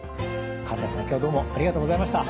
西さん今日はどうもありがとうございました。